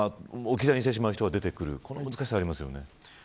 置き去りにしてしまう人が出てくる難しさがありますよね。